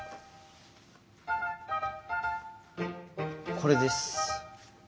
これです。